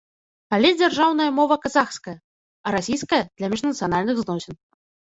Але дзяржаўная мова казахская, а расійская для міжнацыянальных зносін.